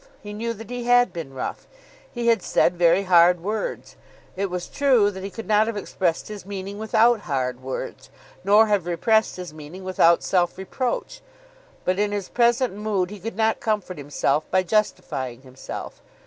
He knew that he had been rough. He had said very hard words. It was true that he could not have expressed his meaning without hard words, nor have repressed his meaning without self reproach. But in his present mood he could not comfort himself by justifying himself.